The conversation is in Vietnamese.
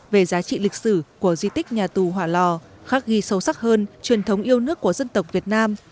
về giá trị lịch sử của di tích nhà tù hỏa lò khắc ghi sâu sắc hơn truyền thống yêu nước của dân tộc việt nam